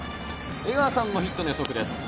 江川さんもヒットの予測です。